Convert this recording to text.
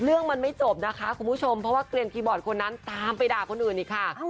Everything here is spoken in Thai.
เรื่องมันไม่จบนะคะคุณผู้ชมเพราะว่าเกลียนคีย์บอร์ดคนนั้นตามไปด่าคนอื่นอีกค่ะ